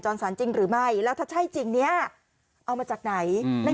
สรรจริงหรือไม่แล้วถ้าใช่จริงเนี่ยเอามาจากไหน